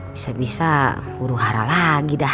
bisa bisa huru hara lagi dah